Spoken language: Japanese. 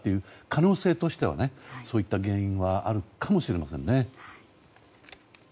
可能性としてはそういった原因はあるかもしれませんね。